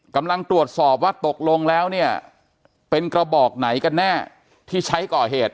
กำลังตรวจสอบว่าตกลงแล้วเนี่ยเป็นกระบอกไหนกันแน่ที่ใช้ก่อเหตุ